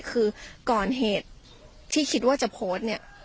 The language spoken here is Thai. คือก่อนเหตุที่คิดว่าจะโพสต์เนี่ย